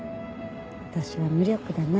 私は無力だな。